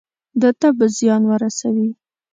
ده ته به زیان ورسوي.